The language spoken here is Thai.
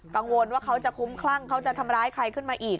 กังวลว่าเขาจะคุ้มคลั่งเขาจะทำร้ายใครขึ้นมาอีก